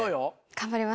頑張ります。